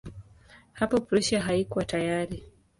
Hapo Prussia haikuwa tayari.